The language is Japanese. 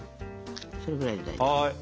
それぐらいで大丈夫。